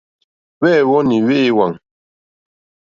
Hwɛ̂wɔ́nì hwé ówàŋ.